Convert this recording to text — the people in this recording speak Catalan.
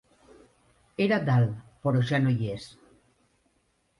Era dalt, però ja no hi és.